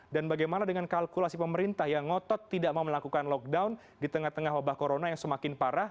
dan bagaimana dengan kalkulasi pemerintah yang ngotot tidak mau melakukan lockdown di tengah tengah wabah corona yang semakin parah